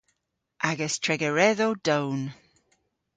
Agas tregeredhow down.